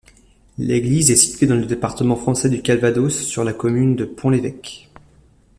L'église est située dans le département français du Calvados, sur la commune de Pont-l'Évêque.